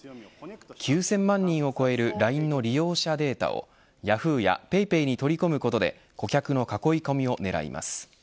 ９０００万人を超えるＬＩＮＥの利用者データをヤフーやＰａｙＰａｙに取り込むことで顧客の囲い込みを狙います。